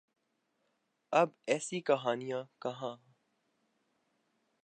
اب ایسی کہانیاں کہاں۔